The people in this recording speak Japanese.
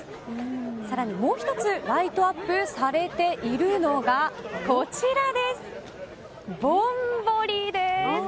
更にもう１つライトアップされているのがこちら、ぼんぼりです。